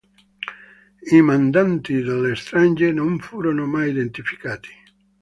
I mandanti della strage non furono mai identificati.